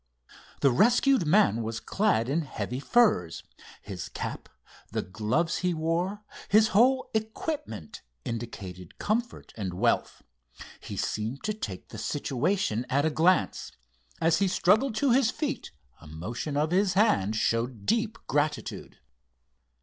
The rescued man was clad in heavy furs. His cap, the gloves he wore, his whole equipment indicated comfort and wealth. He seemed to take in the situation at a glance. As he struggled to his feet, a motion of his hand showed deep gratitude.